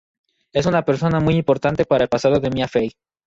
Es una persona muy importante en el pasado de Mia Fey.